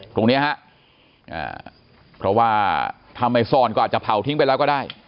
ตรงนี้ฮะเพราะว่าถ้าไม่ซ่อนก็อาจจะเผาทิ้งไปแล้วก็ได้